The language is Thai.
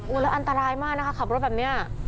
แล้วอันตรายมากนะคะขับรถแบบนี้